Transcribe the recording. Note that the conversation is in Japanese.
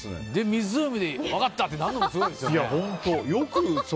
湖で分かったってなるのがすごいですよね。